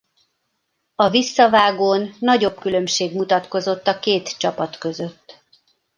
A visszavágón nagyobb különbség mutatkozott a két csapat között.